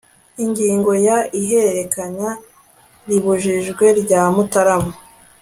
ingingo ya ihererekanya ribujijwe rya mutarama